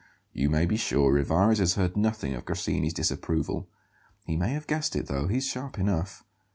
You may be sure Rivarez has heard nothing of Grassini's disapproval. He may have guessed it, though; he's sharp enough."